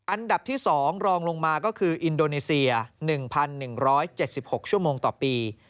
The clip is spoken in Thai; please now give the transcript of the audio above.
อันดับที่๒รองลงมาก็คืออินโดนีเซีย๑๑๗๖ชั่วโมงต่อปี